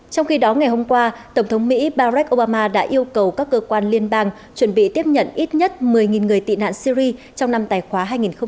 trong khi đó ngày hôm qua tổng thống mỹ barack obama đã yêu cầu các cơ quan liên bang chuẩn bị tiếp nhận ít nhất một mươi người tị nạn syri trong năm tài khoá hai nghìn hai mươi